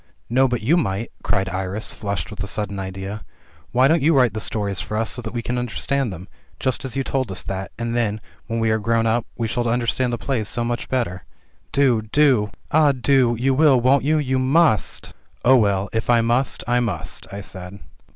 "No, but you might," cried Iris, flushed with a sudden idea. "Why don't you write the stories for us so that we can understand them, just as you told us that, and then, when we are grown up, we shall understand the plays so much better. Do ! do !" "Ah, do! You will, won't you? You must!" *'0h, well, if I must, I must," I said.